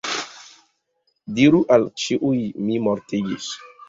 Diru al ĉiuj “mi mortigis”.